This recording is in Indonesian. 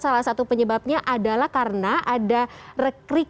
salah satu penyebabnya adalah karena ada rekening yang mengatakan